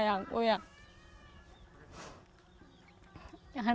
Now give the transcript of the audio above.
yang ayangku yang minta dia mau jago